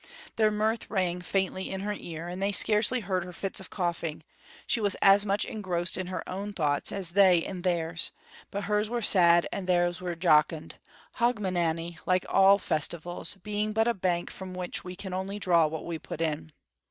Their mirth rang faintly in her ear, and they scarcely heard her fits of coughing; she was as much engrossed in her own thoughts as they in theirs, but hers were sad and theirs were jocund Hogmanay, like all festivals, being but a bank from which we can only draw what we put in.